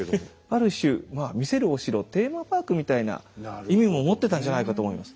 ある種「魅せるお城」テーマパークみたいな意味も持ってたんじゃないかと思います。